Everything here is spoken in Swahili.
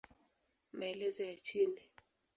Maelezo ya chini